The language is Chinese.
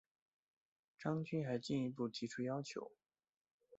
张军还进一步提出要求